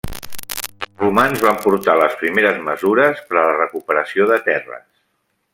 Els romans van portar les primeres mesures per a la recuperació de terres.